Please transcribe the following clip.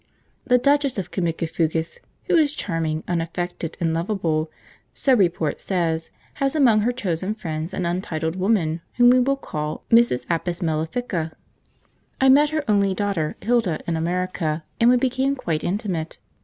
The Duchess of Cimicifugas, who is charming, unaffected, and lovable, so report says, has among her chosen friends an untitled woman whom we will call Mrs. Apis Mellifica. I met her only daughter, Hilda, in America, and we became quite intimate.